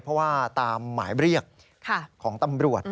เพราะว่าตามหมายเรียกของตำรวจ